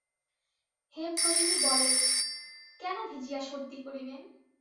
হেমনলিনী বলে, কেন ভিজিয়া সর্দি করিবেন?